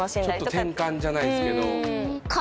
転換じゃないですけど。